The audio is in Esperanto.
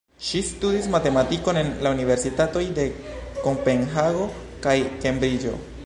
Ŝi studis matematikon en la universitatoj de Kopenhago kaj Kembriĝo.